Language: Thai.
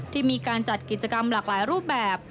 ที่มีการจัดกิจกรรมหลากหลายรูปแบบ